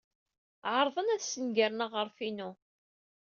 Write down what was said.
Ɛerḍen ad snegren aɣref-inu.